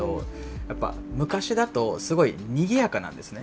やっぱ昔だとすごいにぎやかなんですね。